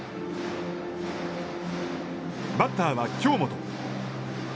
バッターは京本。